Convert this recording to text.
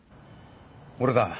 俺だ